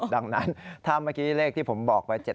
ดังนั้นถ้าเมื่อกี้เลขที่ผมบอกไป๗๗